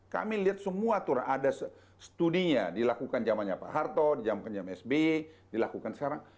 kami lihat semua turun ada studinya dilakukan jamannya pak hartoh jamannya sbi dilakukan sekarang